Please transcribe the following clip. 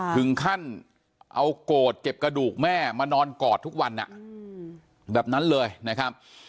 ถึงขั้นเอาโกรธเก็บกระดูกแม่มานอนกอดทุกวันแบบนั้นเลยนะครับ